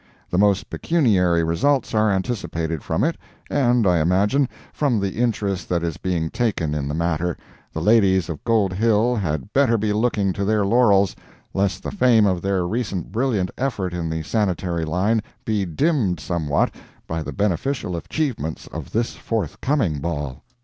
The most pecuniary results are anticipated from it, and I imagine, from the interest that is being taken in the matter, the ladies of Gold Hill had better be looking to their laurels, lest the fame of their recent brilliant effort in the Sanitary line be dimmed somewhat by the financial achievements of this forthcoming ball.